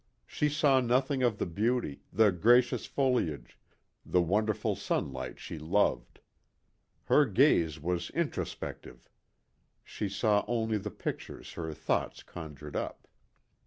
She saw nothing of the beauty, the gracious foliage, the wonderful sunlight she loved. Her gaze was introspective. She saw only the pictures her thoughts conjured up.